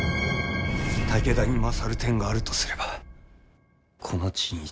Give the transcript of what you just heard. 武田に勝る点があるとすればこの地についてじゃ。